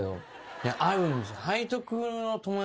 いや合うんです。